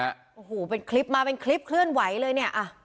โอ้โหเป็นคลิปมาเป็นคลิปเคลื่อนไหวเลยเนี่ย